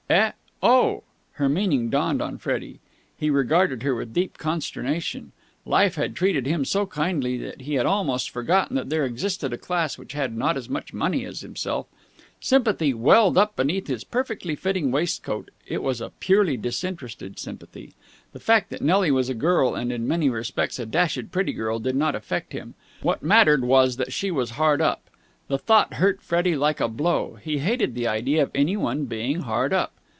"Eh? Oh!" Her meaning dawned upon Freddie. He regarded her with deep consternation. Life had treated him so kindly that he had almost forgotten that there existed a class which had not as much money as himself. Sympathy welled up beneath his perfectly fitting waistcoat. It was a purely disinterested sympathy. The fact that Nelly was a girl and in many respects a dashed pretty girl did not affect him. What mattered was that she was hard up. The thought hurt Freddie like a blow. He hated the idea of anyone being hard up.